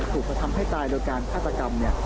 ถูกผสมให้ตายโดยการฆาตกรรม